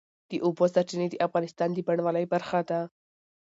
د اوبو سرچینې د افغانستان د بڼوالۍ برخه ده.